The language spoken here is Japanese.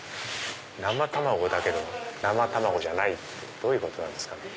生卵だけど生卵じゃないってどういうことなんですかね？